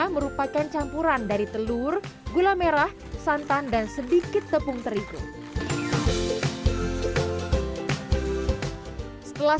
merupakan campuran dari telur gula merah santan dan sedikit tepung terigu setelah